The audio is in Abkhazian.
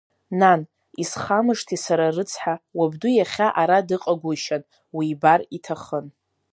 Нан, исхамышҭи сара рыцҳа, уабду иахьа ара дыҟагәышьан, уибар иҭахын.